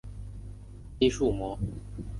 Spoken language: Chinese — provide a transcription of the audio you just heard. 肌束膜。